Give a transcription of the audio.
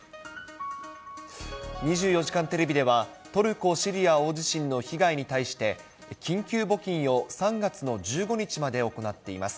２４時間テレビではトルコ・シリア大地震の被害に対して、緊急募金を３月の１５日まで行っています。